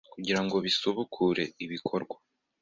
kugira ngo bisubukure ibikorwa